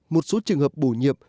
một số trường hợp bổ nhiệp